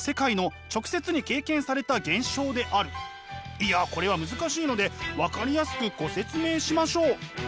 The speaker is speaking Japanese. いやこれは難しいので分かりやすくご説明しましょう。